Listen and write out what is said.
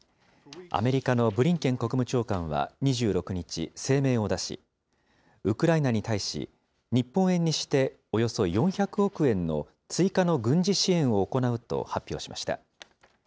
アメリカのブリンケン国務長官は２６日、声明を出し、ウクライナに対し、日本円にしておよそ４００億円の追加の軍事支援を行うと発表しました。